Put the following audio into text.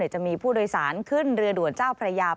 จะมีผู้โดยสารขึ้นเรือด่วนเจ้าพระยา